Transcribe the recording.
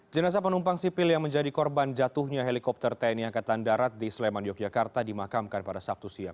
jenazah penumpang sipil yang menjadi korban jatuhnya helikopter tni angkatan darat di sleman yogyakarta dimakamkan pada sabtu siang